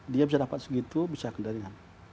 dia bisa dapat segitu bisa kendaringan